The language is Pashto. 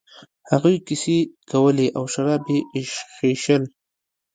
هغوی کیسې کولې او شراب یې ایشخېشل.